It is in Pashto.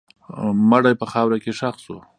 مړی په خاوره کې ښخ شو.